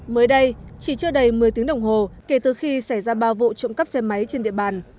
mới đây chỉ chưa đầy một mươi tiếng đồng hồ kể từ khi xảy ra ba vụ trộm cắp xe máy trên địa bàn